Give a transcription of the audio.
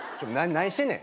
何してんねん。